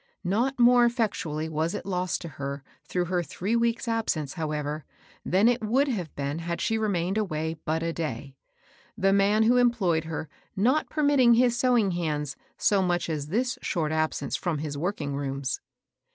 Not more effectu ally was it lost to her through her three weeks' absence, however, than it would have been had she remained away but a day, the man who em ployed her not permitting his sewing hands so much as this short absence from his working rooms. 126 MABEL ROSS.